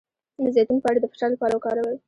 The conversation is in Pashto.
د زیتون پاڼې د فشار لپاره وکاروئ